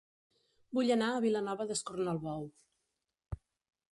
Vull anar a Vilanova d'Escornalbou